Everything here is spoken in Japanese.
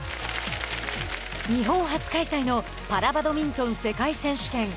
日本初開催のパラバドミントン世界選手権。